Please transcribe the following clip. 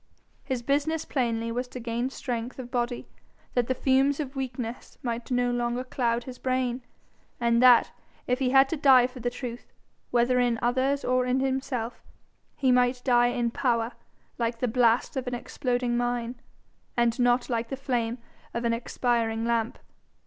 His business plainly was to gain strength of body, that the fumes of weakness might no longer cloud his brain, and that, if he had to die for the truth, whether in others or in himself, he might die in power, like the blast of an exploding mine, and not like the flame of an expiring lamp.